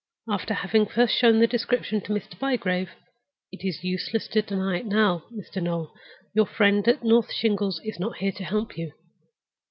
After having first shown the description to Mr. Bygrave—it is useless to deny it now, Mr. Noel; your friend at North Shingles is not here to help you!